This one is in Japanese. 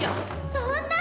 そんな！